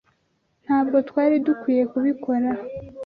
Ntabwo twari dukwiye kubikora.